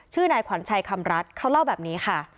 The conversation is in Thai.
นายขวัญชัยคำรัฐเขาเล่าแบบนี้ค่ะ